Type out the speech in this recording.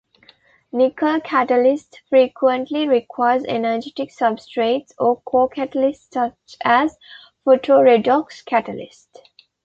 Nickel catalysts frequently require energetic substrates or co-catalysts such as Photoredox catalysts.